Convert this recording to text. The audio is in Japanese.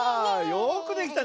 よくできたね。